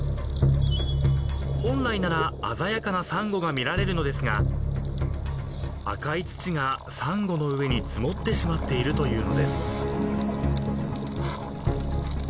［本来なら鮮やかなサンゴが見られるのですが赤い土がサンゴの上に積もってしまっているというのです］